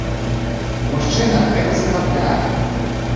У мужчынах гэта захапляе.